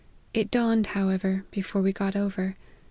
It dawned, however, before we got over.